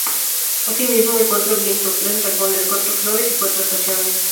Asimismo, hay cuatro vientos, tres dragones, cuatro flores y cuatro estaciones.